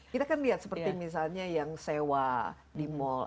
kita kan lihat seperti misalnya yang sewa di mall